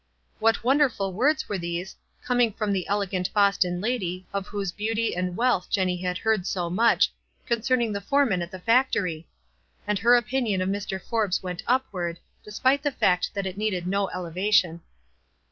What wonderful words were these— £jrnin2' from the elegant Boston lady, of whosv 'jieaut^ WISE AND OTHERWISE. 119 and wealth Jenny had heard so much — concern ing the foreman at the factory ! And her opin ion of Mr. Forbes went upward, despite the fact that it needed no elevation.